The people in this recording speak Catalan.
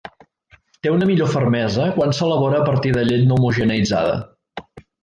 Té una millor fermesa quan s'elabora a partir de llet no homogeneïtzada.